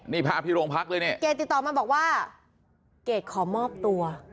นี่ภาพที่โรงพักเลยเนี่ยเกรดติดต่อมาบอกว่าเกรดขอมอบตัว